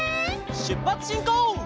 しゅっぱつしんこう！